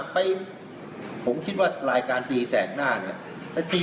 ไปผมคิดว่ารายการตีแสกหน้าเนี่ย